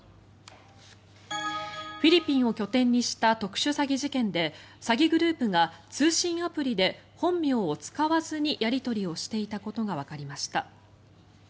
フィリピンを拠点にした特殊詐欺事件で詐欺グループが通信アプリで本名を使わずにやり取りをしていたことがわかりました。